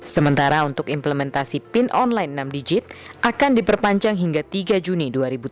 sementara untuk implementasi pin online enam digit akan diperpanjang hingga tiga juni dua ribu tujuh belas